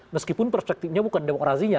meskipun perspektifnya bukan demokrasinya